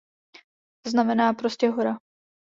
Znamená prostě "Hora".